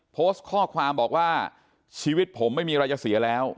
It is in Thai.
โพสต์ข้อความบอกว่าชีวิตผมไม่มีอะไรจะเสียแล้ว